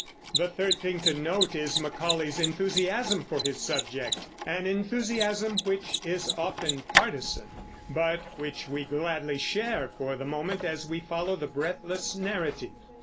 The third thing to note is Macaulay's enthusiasm for his subject, an enthusiasm which is often partisan, but which we gladly share for the moment as we follow the breathless narrative.